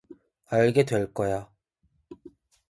알게 될 거야.